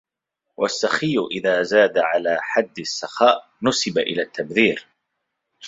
وَالسَّخِيُّ إذَا زَادَ عَلَى حَدِّ السَّخَاءِ نُسِبَ إلَى التَّبْذِيرِ